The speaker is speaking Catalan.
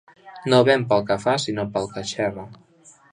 No ven pel que fa sinó pel que xerra